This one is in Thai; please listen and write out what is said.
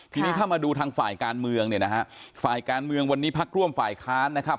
ทีนี้ถ้ามาดูทางฝ่ายการเมืองเนี่ยนะฮะฝ่ายการเมืองวันนี้พักร่วมฝ่ายค้านนะครับ